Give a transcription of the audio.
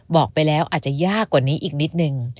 บอกไปแล้วอาจจะยากกว่านี้อีกนิดนึง